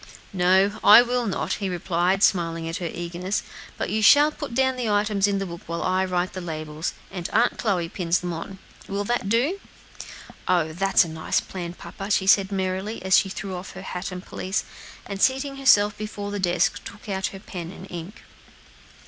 "No, I will not," he replied, smiling at her eagerness; "you shall put down the items in the book, while I write the labels, and Aunt Chloe pins them on. Will that do?" "Oh! that's a nice plan, papa," she said gayly, as she threw off her hat and pelisse, and seating herself before the desk, took out her pen and ink.